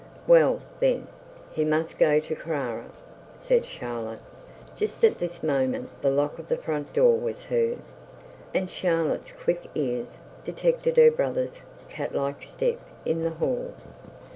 'Well, then, he must go to Carrara.' said Charlotte. Just at this moment the lock of the front door was heard, and Charlotte's quick care detected her brother's cat like step in the hall.